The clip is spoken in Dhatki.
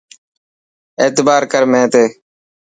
اعتبار ڪر مين تي.